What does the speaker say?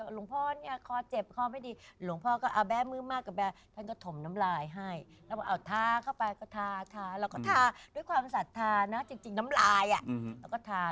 หลวงพ่อเนี่ยคอเจ็บคอไม่ดีหลวงพ่อก็เอาแบ้มือมากกับแบท่านก็ถมน้ำลายให้แล้วก็เอาทาเข้าไปก็ทาทาแล้วก็ทาด้วยความศรัทธานะจริงน้ำลายแล้วก็ทา